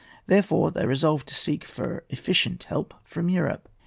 Therefore they resolved to seek for efficient help from Europe.